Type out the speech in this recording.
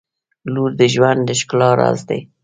• لور د ژوند د ښکلا راز دی.